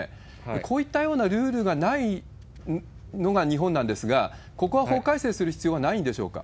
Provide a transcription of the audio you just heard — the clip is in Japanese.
こういったようなルールがないのが日本なんですが、ここは法改正する必要はないんでしょうか？